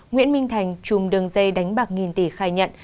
nguyễn minh thành chùm đường dây đánh bạc nghìn tỷ khai nhận